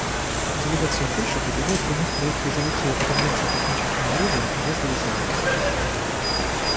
Делегация Польши предлагает принять проект резолюции о Конвенции по химическому оружию без голосования.